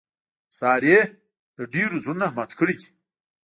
سارې د ډېرو زړونه مات کړي دي.